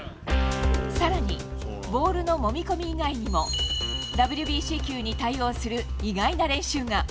さらに、ボールのもみ込み以外にも、ＷＢＣ球に対応する意外な練習が。